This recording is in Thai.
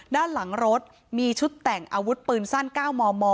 ด้านหลังรถมีชุดแต่งอาวุธปืนสั้น๙มม